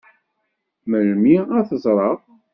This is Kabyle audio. Melmi ad t-ẓṛeɣ?